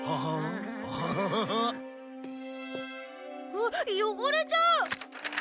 あっ汚れちゃう！